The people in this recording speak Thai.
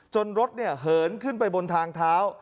รถเหินขึ้นไปบนทางเท้า